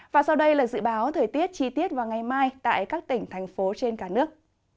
và sau đây là dự báo thời tiết chi tiết vào ngày mai tại các tỉnh thành phố trên cả nước